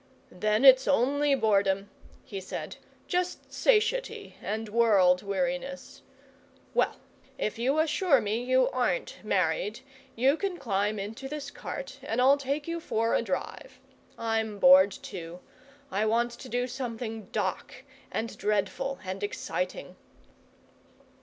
"Then it's only boredom," he said. "Just satiety and world weariness. Well, if you assure me you aren't married you can climb into this cart and I'll take you for a drive. I'm bored, too. I want to do something dark and dreadful and exciting."